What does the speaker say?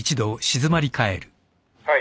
はい。